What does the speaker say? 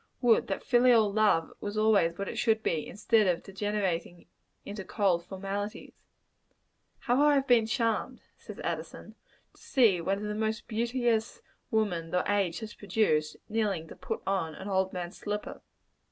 Would that filial love was always what it should be, instead of degenerating into cold formalities. "How have I been charmed;" says Addison, "to see one of the most beauteous women the age has produced, kneeling to put on an old man's slipper."